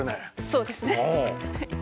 そうですね。